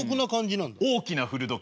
「大きな古時計」ね。